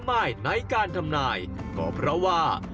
หันล้วยหันล้วยหันล้วยหันล้วยหันล้วย